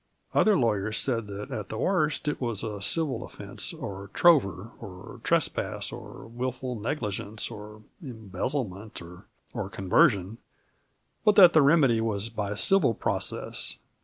Other lawyers said that at the worst it was a civil offense, or trover, or trespass, or wilful negligence, or embezzlement, or conversion, but that the remedy was by civil process.